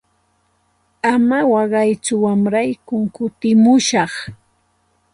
Ama waqaytsu qamraykum kutimushaq.